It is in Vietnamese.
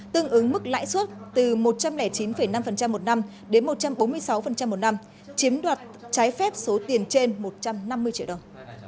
tương ứng mức lãi suất từ một trăm linh chín năm một năm đến một trăm bốn mươi sáu một năm chiếm đoạt trái phép số tiền trên một trăm năm mươi triệu đồng